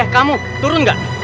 kamu turun gak